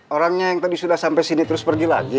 orangnya yang tadi sudah sampai sini terus pergi lagi